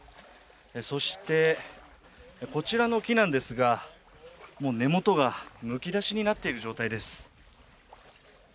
そして、こちらの木ですが、もう根元がむき出しになっている状態です。